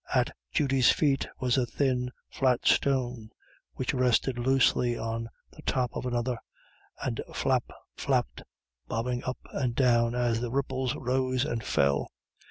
At Judy's feet was a thin flat stone, which rested loosely on the top of another, and flap flapped, bobbing up and down as the ripple rose and fell.